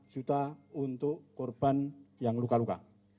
dua ratus juta untuk korban yang luka luka